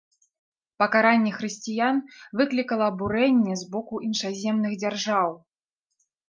Пакаранне хрысціян выклікала абурэнне з боку іншаземных дзяржаў.